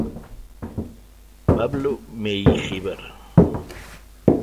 Pablo Meijíbar.